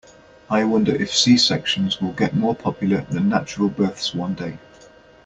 I wonder if C-sections will get more popular than natural births one day.